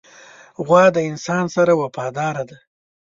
غوا د انسان سره وفاداره ده.